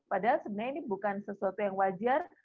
padahal sebenarnya ini bukan sesuatu yang wajar